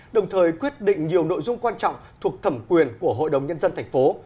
đồng thời quyết định nhiều nội dung quan trọng thuộc thẩm quyền của hội đồng nhân dân tp